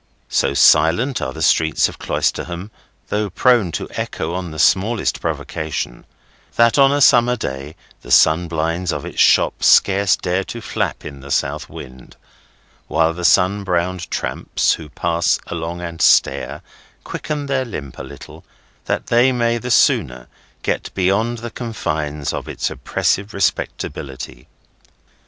So silent are the streets of Cloisterham (though prone to echo on the smallest provocation), that of a summer day the sunblinds of its shops scarce dare to flap in the south wind; while the sun browned tramps, who pass along and stare, quicken their limp a little, that they may the sooner get beyond the confines of its oppressive respectability.